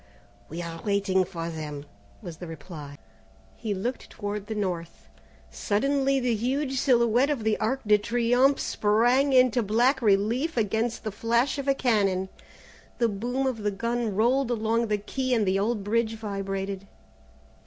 "We are waiting for them," was the reply. He looked toward the north. Suddenly the huge silhouette of the Arc de Triomphe sprang into black relief against the flash of a cannon. The boom of the gun rolled along the quay and the old bridge vibrated.